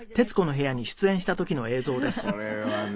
これはね